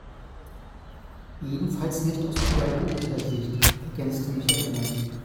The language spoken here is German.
Jedenfalls nicht aus pädagogischer Sicht, ergänzte Michaela.